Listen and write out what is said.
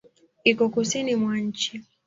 Iko kusini mwa nchi.